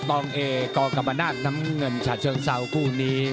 องเอกกรรมนาศน้ำเงินฉาเชิงเซาคู่นี้